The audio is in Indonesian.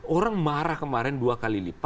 orang marah kemarin dua kali lipat